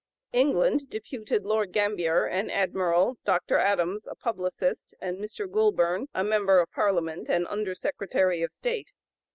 England deputed Lord Gambier, an admiral, Dr. Adams, a publicist, and Mr. Goulburn, a member of Parliament and Under Secretary of State.